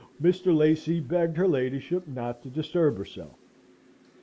Mr. Lacy begged her ladyship not to disturb herself.